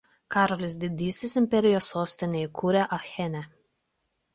Karolis Didysis imperijos sostinę įkūrė Achene.